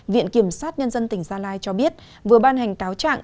viện kiểm sát nhân dân tỉnh gia lai cho biết vừa ban hành cáo trạng